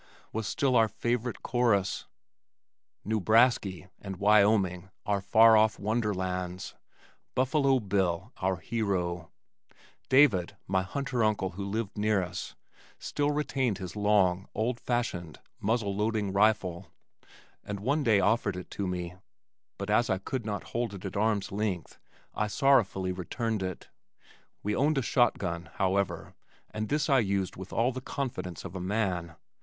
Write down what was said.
was still our favorite chorus, "Newbrasky" and Wyoming our far off wonderlands, Buffalo Bill our hero. David, my hunter uncle who lived near us, still retained his long old fashioned, muzzle loading rifle, and one day offered it to me, but as I could not hold it at arm's length, I sorrowfully returned it. We owned a shotgun, however, and this I used with all the confidence of a man.